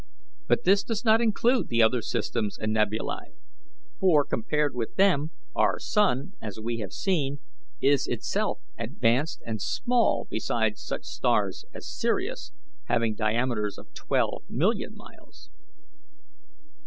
But this does not include the other systems and nebulae; for, compared with them, our sun, as we have seen, is itself advanced and small beside such stars as Sirius having diameters of twelve million miles."